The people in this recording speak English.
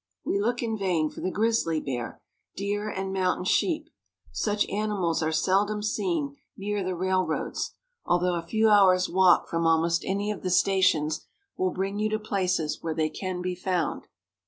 We look in vain for the grizzly bear, deer, and mountain sheep. Such animals are seldom seen near the railroads, although Prairie Dogs. SALT LAKE CITY. 259 a few hours' walk from almost any of the stations will bring you to places where they can be found.